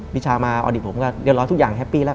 วิชามาออดิตผมก็เรียบร้อยทุกอย่างแฮปปี้แล้ว